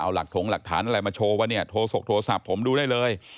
เอาหลักถงหลักฐานอะไรมาโชว์ว่าเนี่ยโทรศกโทรศัพท์ผมดูได้เลย